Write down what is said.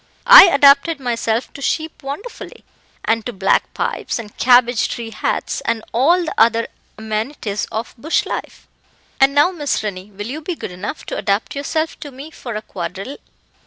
I adapted myself to sheep wonderfully, and to black pipes and cabbage tree hats, and all the other amenities of bush life; and now, Miss Rennie, will you be good enough to adapt yourself to me for a quadrille?"